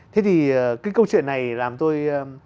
thế thì cái câu chuyện này làm tôi